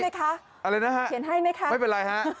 เขียนให้ไหมคะไม่เป็นไรฮะ